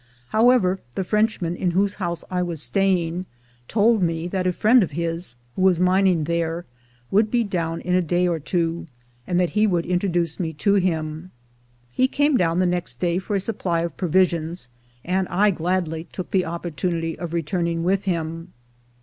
How ever, the Frenchman in whose house I was staying told me that a friend of his, who was mining there, would be down in a day or two, and that he would introduce me to him. He came down the next day for a supply of provisions, and I gladly took the op portunity of returning with him.